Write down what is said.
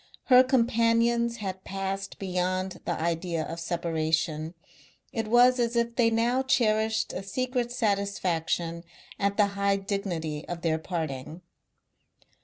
Her companions had passed beyond the idea of separation; it was as if they now cherished a secret satisfaction at the high dignity of their parting.